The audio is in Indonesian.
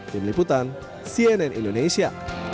tim liputan cnn indonesia